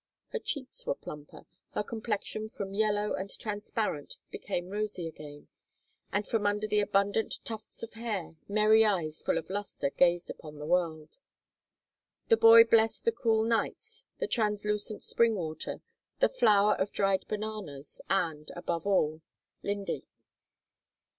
Her cheeks were plumper, her complexion from yellow and transparent became rosy again, and from under the abundant tufts of hair, merry eyes full of luster gazed upon the world. The boy blessed the cool nights, the translucent spring water, the flour of dried bananas, and, above all, Linde.